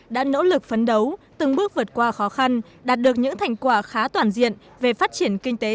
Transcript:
đã nỗ lực phấn đấu từng bước vượt qua khó khăn đạt được những thành quả khá toàn diện về phát triển kinh tế